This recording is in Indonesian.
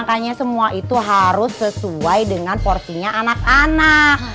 makanya semua itu harus sesuai dengan porsinya anak anak